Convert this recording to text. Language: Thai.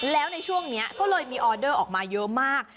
แล้วในช่วงนี้ก็เลยมีออเดอร์ออกมาเยอะมาก